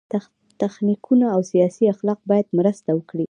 تخنیکونه او سیاسي اخلاق باید مرسته وکړي.